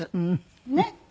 ねっ？